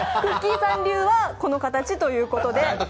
さん流はこの形ということで。